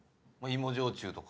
芋焼酎とか。